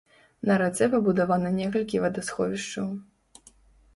На рацэ пабудавана некалькі вадасховішчаў.